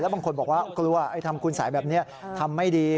บางคนบอกว่ากลัวทำคุณสัยแบบนี้ทำไม่ดี